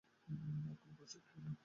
আর কোনো প্রশ্ন করলেন না।